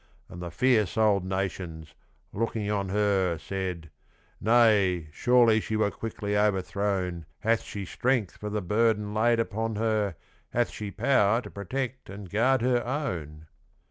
And the fierce old nations, looking on her, Said, 'Nay, surely she were quickly overthrown, Hath she strength for the burden laid upon her, Hath she power to protect and guard her own?